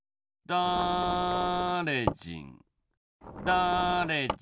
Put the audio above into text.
だれじんだれじ